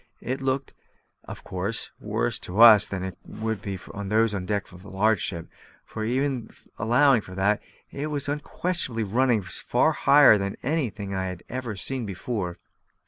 It looked, of course, worse to us than it would to those on the deck of a large ship; but even allowing for that, it was unquestionably running far higher than anything I had ever seen before.